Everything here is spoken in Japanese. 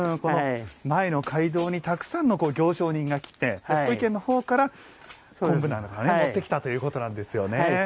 前の街道にたくさんの行商人が来て、福井県のほうから昆布などを持ってきたということなんですね。